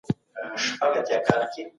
همېشه رښتیا وایه.